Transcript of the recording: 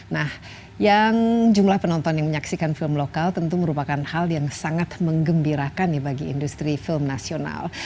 nah yang jumlah penonton yang menyaksikan film lokal tentu merupakan hal yang sangat mengembirakan bagi industri film nasional